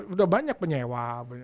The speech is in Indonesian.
udah banyak penyewa